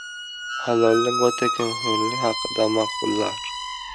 Halollik va tekinxo‘rlik haqida maqollar.